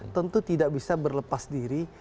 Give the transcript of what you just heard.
tentu tidak bisa berlepas diri